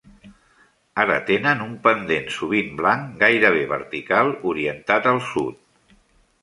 Ara tenen un pendent sovint blanc, gairebé vertical, orientat al sud.